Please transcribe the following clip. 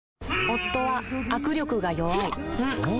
夫は握力が弱い